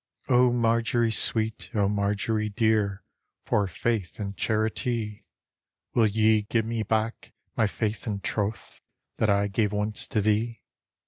"Oh Marjorie sweetl oh Marjorie dear! For faith and charitic, Will ye gie me back my faith and troth That I gave once to thee